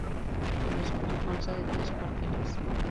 El escudo consta de tres cuarteles.